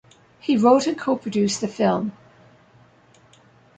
He wrote and co-produced the film.